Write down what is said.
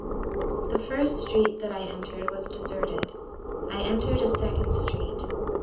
5 "The first street that I entered was deserted. I entered a second street.